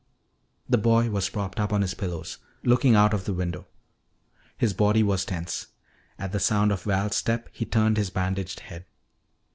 The boy was propped up on his pillows, looking out of the window. His body was tense. At the sound of Val's step he turned his bandaged head.